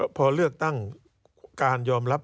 การเลือกตั้งครั้งนี้แน่